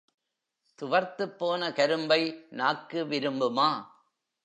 துவர்த்துப் போன கரும்பை நாக்கு விரும்புமா?